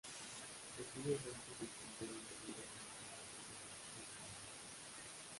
Posiblemente se extinguieron debido a un enfriamiento climático generalizado.